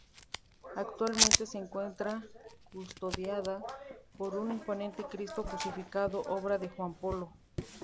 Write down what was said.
Actualmente, se encuentra custodiada por un imponente Cristo crucificado, obra de Juan Polo.